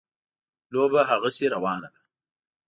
لوبه هغسې روانه ده.